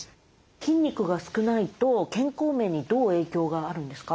筋肉が少ないと健康面にどう影響があるんですか？